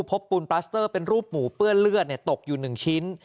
พบปูนปลาสเตอร์เป็นรูปหมูเปื้อเลือดเนี่ยตกอยู่หนึ่งชิ้น